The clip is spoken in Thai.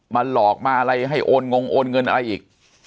มาหลอกมาอะไรให้โอนเงินอะไรอีก